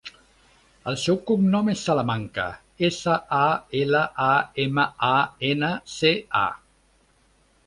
El seu cognom és Salamanca: essa, a, ela, a, ema, a, ena, ce, a.